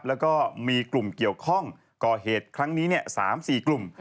แล้วก็มีกลุ่มเกี่ยวข้องก่อเหตุครั้งนี้๓๔กลุ่ม